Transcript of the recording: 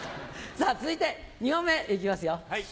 さぁ続いて２問目いきますよ。